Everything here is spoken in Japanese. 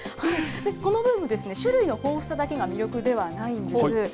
このブームですね、種類の豊富さだけが魅力ではないんです。